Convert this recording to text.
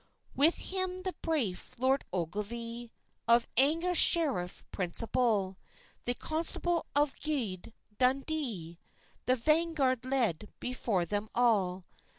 With him the braif Lord Ogilvy, Of Angus sheriff principall, The constable of gude Dundè, The vanguard led before them all.